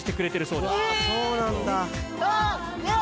うわそうなんだ。